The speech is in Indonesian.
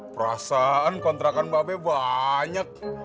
perasaan kontrakan be banyak